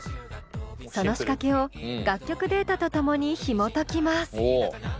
その仕掛けを楽曲データとともにひもときます。